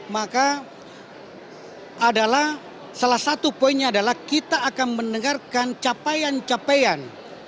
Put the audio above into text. maka adalah salah satu poinnya adalah kita akan mendengarkan capaian capaian